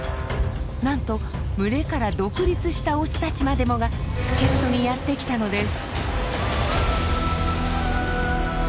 なんと群れから独立したオスたちまでもが助っ人にやって来たのです。